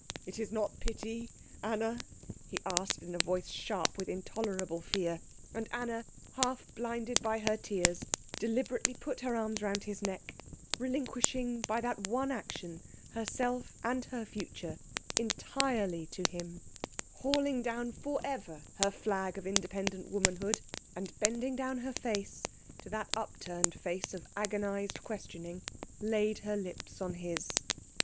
"It is not pity, Anna?" he asked in a voice sharp with an intolerable fear. And Anna, half blinded by her tears, deliberately put her arms round his neck, relinquishing by that one action herself and her future entirely to him, hauling down for ever her flag of independent womanhood, and bending down her face to that upturned face of agonised questioning laid her lips on his.